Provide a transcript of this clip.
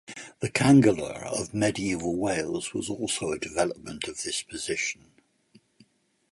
The canghellor of Medieval Wales was also a development of this position.